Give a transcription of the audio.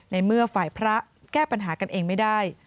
ในเมื่อฝ่ายพระแก้ปัญหากันเองไม่ได้